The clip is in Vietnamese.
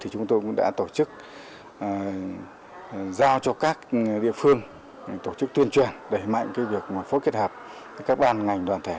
chúng tôi đã giao cho các địa phương tổ chức tuyên truyền để mạnh việc phối hợp các bàn ngành đoàn thể